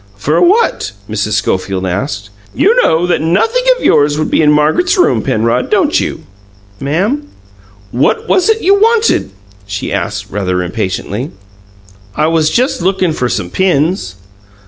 "For what?" Mrs. Schofield asked. "You know that nothing of yours would be in Margaret's room, Penrod, don't you?" "Ma'am?" "What was it you wanted?" she asked, rather impatiently. "I was just lookin' for some pins."